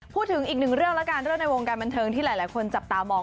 พูดถึงอีกหนึ่งเรื่องแล้วกันเรื่องในวงการบันเทิงที่หลายคนจับตามอง